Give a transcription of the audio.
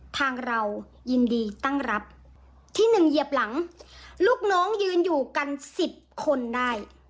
ทางเรายินดีตั้งรับที่หนึ่งเหยียบหลังลูกน้องยืนอยู่กันสิบคนได้